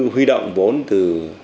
huy động vốn từ